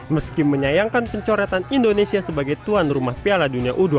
meski menyayangkan pencoretan indonesia sebagai tuan rumah piala dunia u dua puluh